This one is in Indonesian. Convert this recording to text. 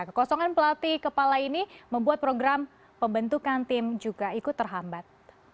kekosongan pelatih kepala ini membuat program pembentukan tim juga ikut terhambat